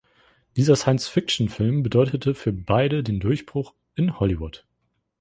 Dieser Science-Fiction-Film bedeutete für beide den Durchbruch in Hollywood.